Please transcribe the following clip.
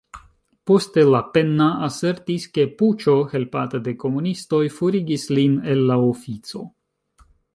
Poste Lapenna asertis ke "puĉo", helpata de komunistoj, forigis lin el la ofico.